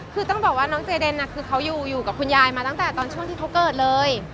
คือต้องบอกว่าน้องเจเดนคือเขาอยู่อยู่กับคุณยายมาตั้งแต่ตอนช่วงที่เขาเกิดเลย